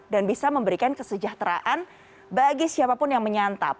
dan bisa memberikan kesejahteraan bagi siapapun yang menyantap